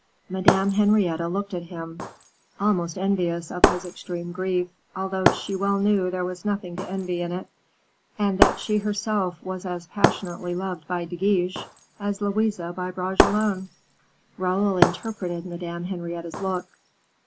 Madame Henrietta looked at him, almost envious of his extreme grief, although she well knew there was nothing to envy in it, and that she herself was as passionately loved by De Guiche as Louise by Bragelonne. Raoul interpreted Madame Henrietta's look.